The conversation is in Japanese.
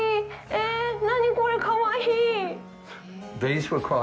えっ、何、これ、かわいい！